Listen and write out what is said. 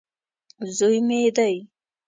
زوی مې دی.